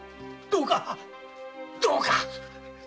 どうかどうか。